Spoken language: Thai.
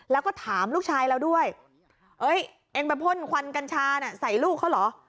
แล้วก็ถามลูกชายเราด้วยเองไปพ่นควันกัญชาน่ะใส่ลูกเขาเหรอ